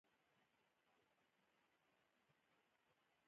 بدخشان د افغانستان د ملي هویت نښه ده.